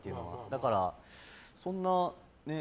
だから、そんなね。